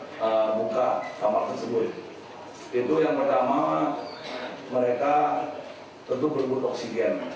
mereka tentu berbutu oksigen